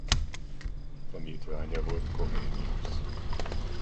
Tanítványa volt Comenius.